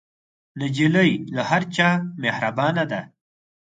نجلۍ له هر چا مهربانه ده.